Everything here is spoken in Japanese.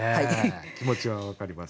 気持ちは分かります。